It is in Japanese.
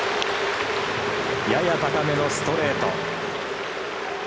やや高めのストレート。